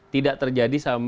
tidak terjadi sama pak jarod